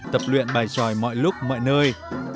tập luyện bài tròi mọi lúc mọi nơi